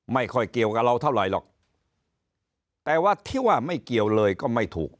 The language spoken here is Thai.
ไม่ค่อยเกี่ยวกับเราเท่าไหร่หรอกแต่ว่าที่ว่าไม่เกี่ยวเลยก็ไม่ถูก